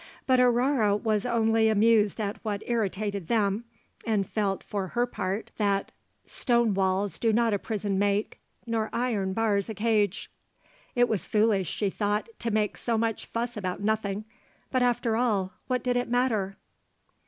But Aurore was only amused at what irritated them, and felt, for her part, that Stone walls do not a prison make, Nor iron bars a cage. It was foolish, she thought, to make so much fuss about nothing; but after all, what did it matter?